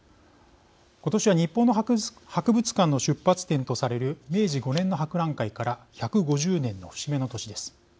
今年は日本の博物館の出発点とされる明治５年の博覧会から１５０年の節目の年です。